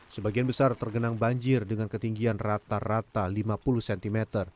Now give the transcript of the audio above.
sebagian besar tergenang banjir dengan ketinggian rata rata lima puluh cm